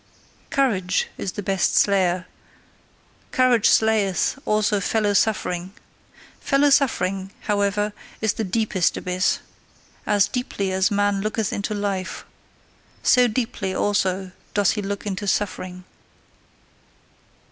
Courage is the best slayer: courage slayeth also fellow suffering. Fellow suffering, however, is the deepest abyss: as deeply as man looketh into life, so deeply also doth he look into suffering.